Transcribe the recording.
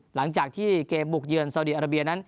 หลังจากที่เกมบุกเยือนซาวดีอาราเบียนั้น